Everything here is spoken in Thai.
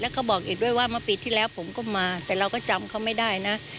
แล้วก็บอกอีกด้วยว่าเมื่อปีที่แล้วผมก็มาแต่เราก็จำเขาไม่ได้นะ